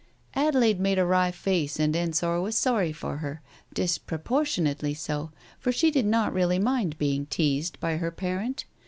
Adelaide made a wry face and Ensor was sorry for her, disproportionately so, for she did not really mind being teased by her parent.